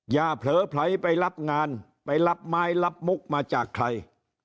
เผลอไผลไปรับงานไปรับไม้รับมุกมาจากใคร